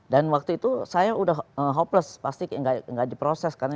dan waktu itu saya udah hopeless pasti enggak diproseskan